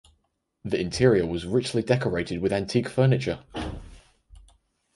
The interior was richly decorated with antique furniture.